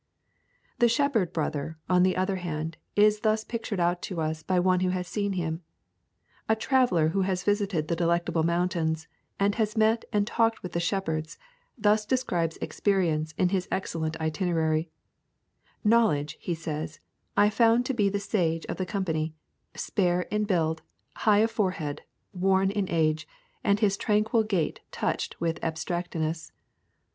The shepherd brother, on the other hand, is thus pictured out to us by one who has seen him. A traveller who has visited the Delectable Mountains, and has met and talked with the shepherds, thus describes Experience in his excellent itinerary: 'Knowledge,' he says, 'I found to be the sage of the company, spare in build, high of forehead, worn in age, and his tranquil gait touched with abstractedness.